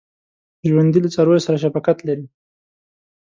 ژوندي له څارویو سره شفقت لري